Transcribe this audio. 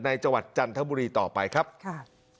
จังหวัดจันทบุรีต่อไปครับค่ะ